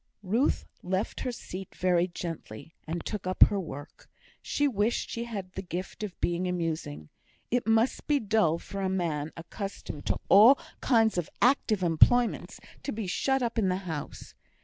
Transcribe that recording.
'" Ruth left her seat very gently, and took up her work. She wished she had the gift of being amusing; it must be dull for a man accustomed to all kinds of active employments to be shut up in the house.